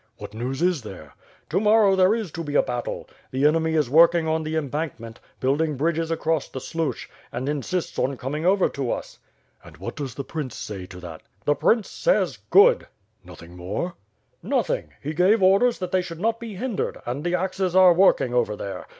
"What news is there?" "To morrow there is to be a battle. The enemy is work ing on the embankment, building bridges across the Sluch, and insists on coming over to us." "And what did the prince say to that?" "The prince says, 'good.' '* ''Nothing more?" \ WITH FIRE AND SWORD. 397 ''Nothing. He gave orders that they should not be hind ered, and the axes are working over there.